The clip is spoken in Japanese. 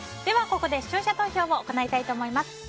ここで視聴者投票も行いたいと思います。